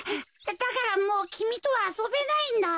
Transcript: だからもうきみとはあそべないんだ。